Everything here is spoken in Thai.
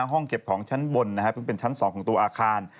ห้องเก็บของชั้นบนนะฮะเพิ่งเป็นชั้นสองของตัวอาคาร